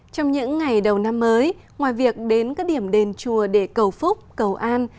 trong những ngày đầu năm mới ngoài việc đến các điểm đền chùa để cầu phúc cầu an